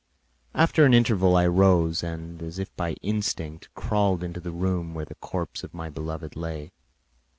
After an interval I arose, and as if by instinct, crawled into the room where the corpse of my beloved lay.